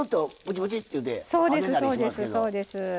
そうです。